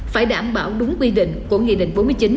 phải đảm bảo đúng quy định của nghị định bốn mươi chín